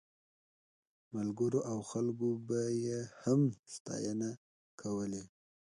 ملګرو او خلکو به یې هم ستاینې کولې.